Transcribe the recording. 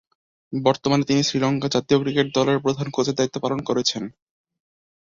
বর্তমানে তিনি শ্রীলঙ্কা জাতীয় ক্রিকেট দলের প্রধান কোচের দায়িত্ব পালন করছেন।